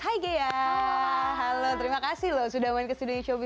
hai ghea halo terima kasih loh sudah main ke studio showbiz news